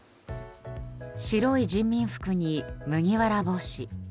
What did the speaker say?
白い人民服に、麦わら帽子。